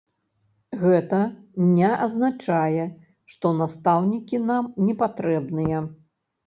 Гэта не азначае, што настаўнікі нам непатрэбныя.